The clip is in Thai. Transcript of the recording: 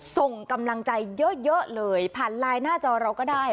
ส่งกำลังใจเยอะเลยผ่านไลน์หน้าจอเราก็ได้